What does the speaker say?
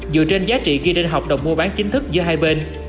dựa trên giá trị ghi trên hợp đồng mua bán chính thức giữa hai bên